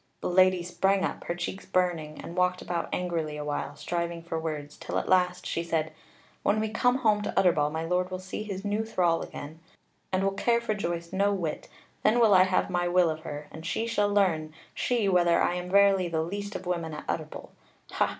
The Lady sprang up, her cheeks burning, and walked about angrily a while, striving for words, till at last she said: "When we come home to Utterbol, my lord will see his new thrall again, and will care for Joyce no whit: then will I have my will of her; and she shall learn, she, whether I am verily the least of women at Utterbol! Ha!